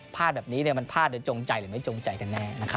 แบบนี้มันพลาดหรือจงใจหรือไม่จงใจกันแน่นะครับ